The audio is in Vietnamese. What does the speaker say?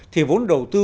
thì vốn đầu tư